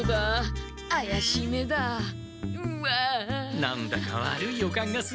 何だか悪い予感がする。